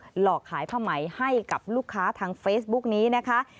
หลอกขายผ้าไหมให้กับลูกค้าทางเฟซบุ๊กนี้นะคะ